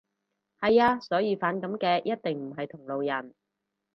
係呀。所以反感嘅一定唔係同路人